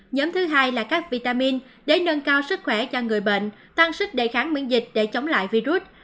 nhóm thứ hai là các vitamin để nâng cao sức khỏe cho người bệnh tăng sức đề kháng miễn dịch để chống lại virus